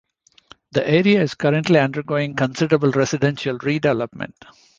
The area is currently undergoing considerable residential redevelopment.